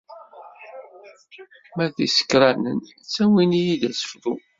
Ma d isekṛanen, ttawin-iyi-d d asefru.